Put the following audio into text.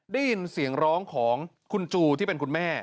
ได้ยินเสียงร้องของคุณจูที่เป็นคุณแม่